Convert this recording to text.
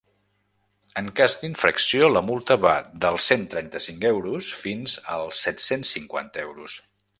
En cas d’infracció, la multa va dels cent trenta-cinc euros fins als set-cents cinquanta euros.